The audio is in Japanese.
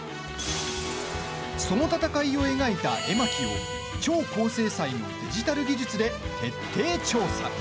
その戦いを描いた絵巻を超高精細のデジタル技術で徹底調査。